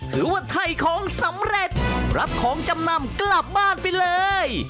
ถือว่าถ่ายของสำเร็จรับของจำนำกลับบ้านไปเลย